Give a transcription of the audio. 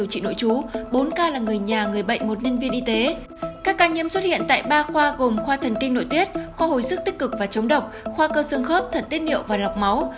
các ca nhiễm xuất hiện tại ba khoa gồm khoa thần tinh nội tiết khoa hồi sức tích cực và chống độc khoa cơ sương khớp thần tiết niệu và lọc máu